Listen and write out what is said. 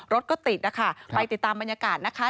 รถก็ติดนะคะไปติดตามบรรยากาศนะคะ